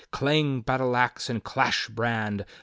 Clang battle ax, and clash brand!